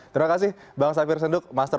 terima kasih bang safir senduk master